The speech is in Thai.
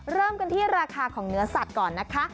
เริ่มกันที่ราคาของเนื้อสัตว์ก่อนนะคะ